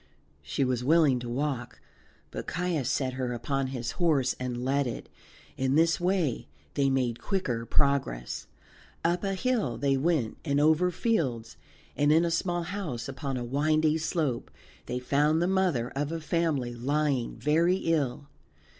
She was willing to walk, but Caius set her upon his horse and led it; in this way they made quicker progress. Up a hill they went, and over fields, and in a small house upon a windy slope they found the mother of a family lying very ill.